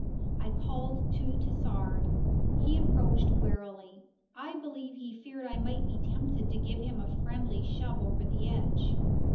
I called to Tassard. He approached warily. I believe he feared I might be tempted to give him a friendly shove over the edge.